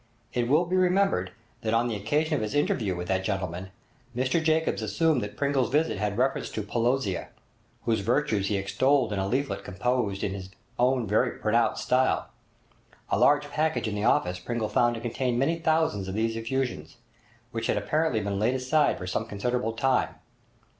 It will be remembered that on the occasion of his interview with that gentleman, Mr Jacobs assumed that Pringle's visit had reference to 'Pelosia', whose virtues he extolled in a leaflet composed in his own very pronounced style. A large package in the office Pringle found to contain many thousands of these effusions, which had apparently been laid aside for some considerable time.